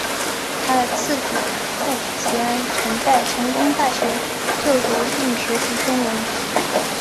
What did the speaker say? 他的次子傅吉安曾在成功大学就读并学习中文。